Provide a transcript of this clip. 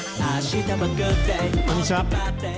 こんにちは。